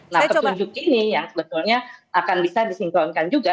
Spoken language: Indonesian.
nah petunjuk ini yang sebetulnya akan bisa disinkronkan juga